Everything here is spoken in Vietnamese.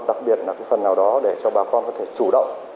đặc biệt là cái phần nào đó để cho bà con có thể chủ động